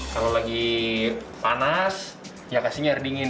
kalau lagi panas ya kasihnya air dingin